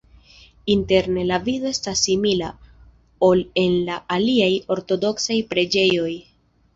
Interne la vido estas simila, ol en la aliaj ortodoksaj preĝejoj.